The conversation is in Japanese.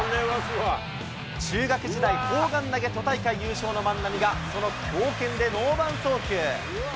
中学時代、砲丸投げ都大会優勝の万波が、その強肩でノーバン送球。